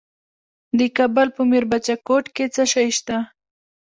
د کابل په میربچه کوټ کې څه شی شته؟